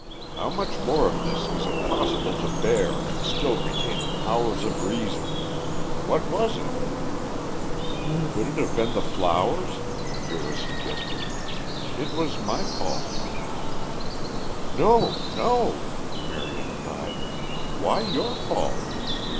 How much more of this is it possible to bear and still retain the powers of reason? What was it?" "Could it have been the flowers?" Vera suggested. "It was my fault." "No, no," Marion cried. "Why your fault?